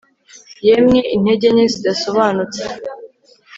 Yemwe intege nke zidasobanutse